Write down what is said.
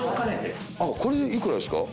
これで幾らですか？